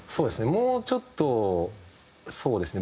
もうちょっとそうですね